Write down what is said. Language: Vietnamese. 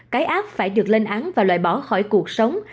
cái áp phải được lên án và loại bỏ khỏi cuộc sống